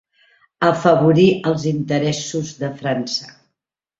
Afavorí els interessos de França.